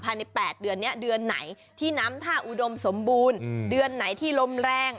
ภายใน๘เดือนนี้เดือนไหนที่น้ำท่าอุดมสมบูรณ์เดือนไหนที่ลมแรง